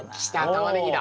タマネギだ。